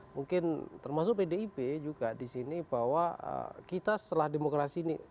mungkin termasuk pdip juga di sini bahwa kita setelah demokrasi ini